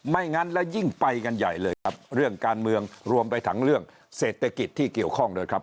งั้นแล้วยิ่งไปกันใหญ่เลยครับเรื่องการเมืองรวมไปถึงเรื่องเศรษฐกิจที่เกี่ยวข้องด้วยครับ